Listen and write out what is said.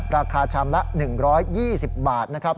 ราคาชำละ๑๒๐บาทนะครับ